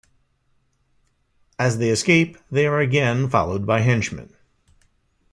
As they escape, they are again followed by henchmen.